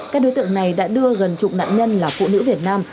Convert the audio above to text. các đối tượng này đã đưa gần chục nạn nhân là phụ nữ việt nam